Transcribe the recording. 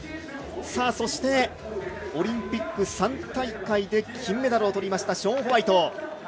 そして、オリンピック３大会で金メダルをとりましたショーン・ホワイト。